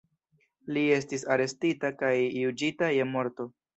Li estis arestita kaj juĝita je morto.